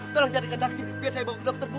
tolong carikan taksi biar saya bawa ke dokter bu